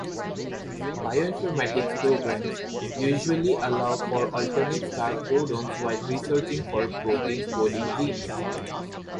Bioinformatics programs usually allow for alternate start codons when searching for protein coding genes.